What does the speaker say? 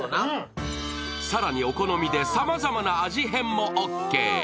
更にお好みでさまざまな味変もオーケー。